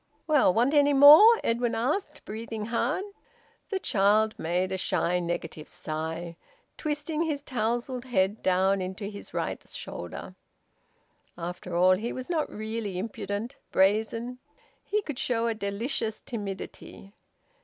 "Well, want any more?" Edwin asked, breathing hard. The child made a shy, negative sigh, twisting his tousled head down into his right shoulder. After all he was not really impudent, brazen. He could show a delicious timidity.